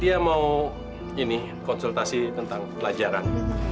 dia mau ini konsultasi tentang pelajaran